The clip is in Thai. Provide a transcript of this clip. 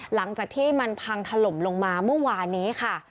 หลังจากที่มันพังถล่มลงมาเมื่อวานนี้ค่ะ